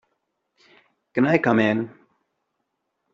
Can I come in?